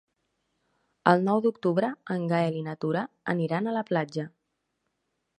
El nou d'octubre en Gaël i na Tura aniran a la platja.